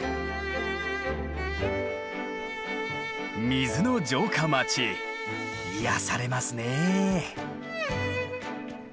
水の城下町癒やされますねえ。